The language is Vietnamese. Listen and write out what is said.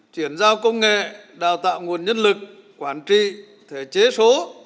chuyển giao công nghệ đào tạo nguồn nhân lực quản trị thể chế số